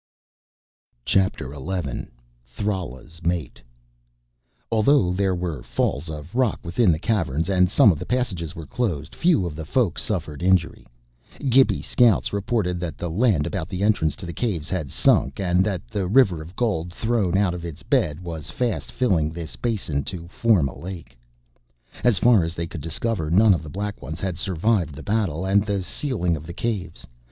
CHAPTER ELEVEN Thrala's Mate Although there were falls of rock within the Caverns and some of the passages were closed, few of the Folk suffered injury. Gibi scouts reported that the land about the entrance to the Caves had sunk, and that the River of Gold, thrown out of its bed, was fast filling this basin to form a lake. As far as they could discover, none of the Black Ones had survived the battle and the sealing of the Caves.